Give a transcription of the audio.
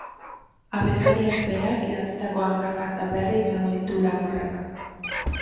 Abeslariak, berak, idatzitako hamar kanta berri izango ditu lan horrek.